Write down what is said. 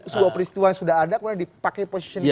suatu peristiwa sudah ada kemudian dipakai positioningnya